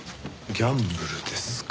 ギャンブルですか。